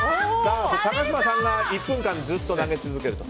高嶋さんが１分間ずっと投げ続けると。